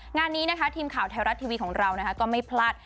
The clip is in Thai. งานนี้นะคะทีมข่าวไทยรัฐทีวีของเราก็ไม่พลาด